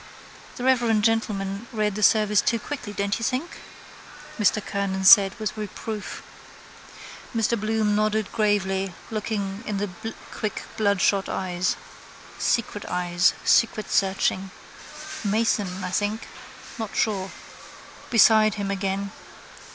—The reverend gentleman read the service too quickly, don't you think? Mr Kernan said with reproof. Mr Bloom nodded gravely looking in the quick bloodshot eyes. Secret eyes, secretsearching. Mason, I think: not sure. Beside him again.